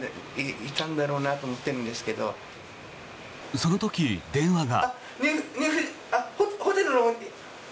その時、電話が。